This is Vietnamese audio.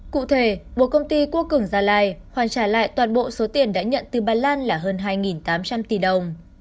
cụ thể bộ công ty cua cường gia lai hoàn trả lại toàn bộ số tiền đã nhận từ bà lan là hơn hai tám trăm linh tỷ đồng